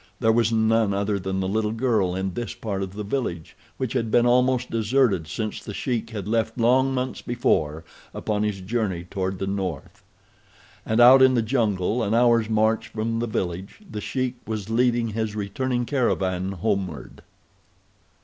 There was none other than the little girl in this part of the village, which had been almost deserted since The Sheik had left long months before upon his journey toward the north. And out in the jungle, an hour's march from the village, The Sheik was leading his returning caravan homeward.